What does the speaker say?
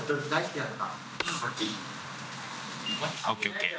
ＯＫ、ＯＫ。